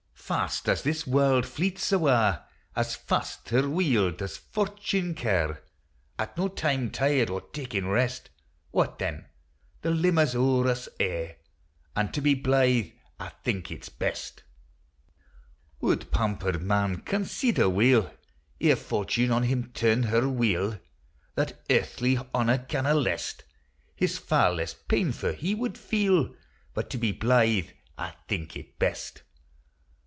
Fast as this warld fleets awa' As fast her wheel does Fortune ca', At no time tired or takin' rest : What then? the limmer 'a owre us a', And to be blythe, I think it best. 100 POEMS OF SENTIMENT. Would pampered man consider weel, Ere Fortune on him turn her wheel, That earthly honour canna lest, His fa' less painf u' he would feel : But to be blythe I think it best.